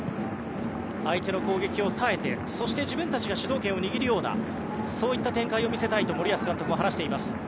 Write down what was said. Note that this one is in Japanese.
相手の攻撃を耐えてそして自分たちが主導権を握るようなそういった展開を見せたいと森保監督は話しています。